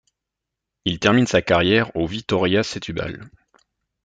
Il termine sa carrière au Vitória Setubal.